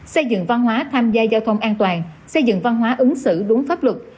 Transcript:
xây dựng văn hóa tham gia giao thông an toàn xây dựng văn hóa ứng xử đúng pháp luật